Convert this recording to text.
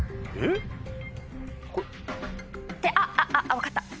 分かった？